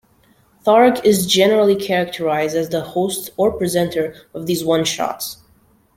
Tharg is generally characterised as the host or presenter of these one-shots.